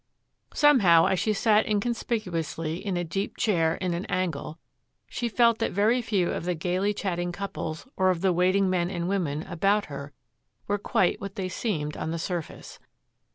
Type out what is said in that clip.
Somehow, as she sat inconspicuously in a deep chair in an angle, she felt that very few of the gaily chatting couples or of the waiting men and women about her were quite what they seemed on the surface.